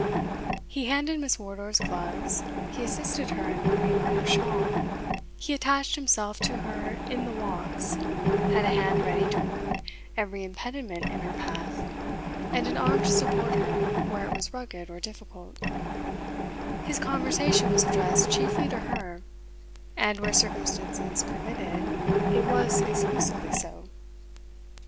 He handed Miss Wardour's gloves, he assisted her in putting on her shawl, he attached himself to her in the walks, had a hand ready to remove every impediment in her path, and an arm to support her where it was rugged or difficult; his conversation was addressed chiefly to her, and, where circumstances permitted, it was exclusively so.